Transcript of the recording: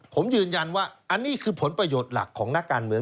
ผมยืนยันว่าอันนี้คือผลประโยชน์หลักของนักการเมือง